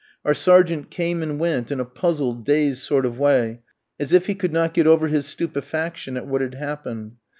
Our sergeant came and went in a puzzled, dazed sort of way, as if he could not get over his stupefaction at what had happened.